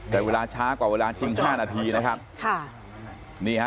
แต่เวลาช้ากว่าเวลาจริง๕นาทีนะครับ